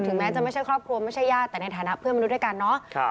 แม้จะไม่ใช่ครอบครัวไม่ใช่ญาติแต่ในฐานะเพื่อนมนุษย์ด้วยกันเนาะ